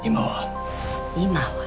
今は。